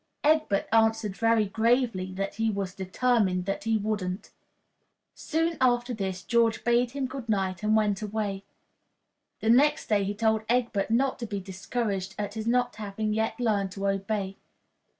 Egbert answered very gravely that he was "determined that he wouldn't." Soon after this George bade him good night and went away. The next day he told Egbert not to be discouraged at his not having yet learned to obey.